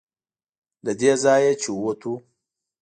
له دې ځایه چې ووتو.